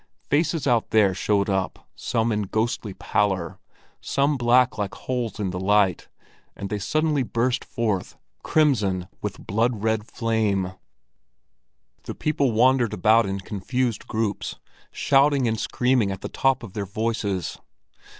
Faces out there showed up, some in ghostly pallor, some black like holes in the light, until they suddenly burst forth, crimson with blood red flame. The people wandered about in confused groups, shouting and screaming at the top of their voices.